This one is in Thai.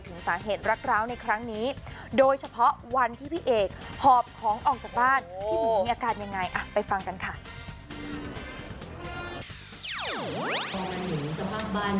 ถึงสาเหตุรักร้าวในครั้งนี้โดยเฉพาะวันที่พี่เอกคอบของออกจากบ้าน